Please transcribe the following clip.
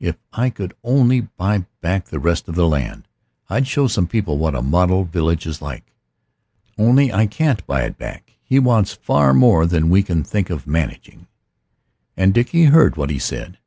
If I could only buy back the rest of the land, I'd show some people what a model village is like. Only I can't buy it back. He wants far more than we can think of managing." And Dickie heard what he said.